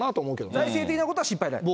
財政的なことは心配ない？